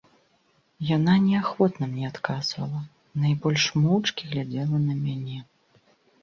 Яна неахвотна мне адказвала, найбольш моўчкі глядзела на мяне.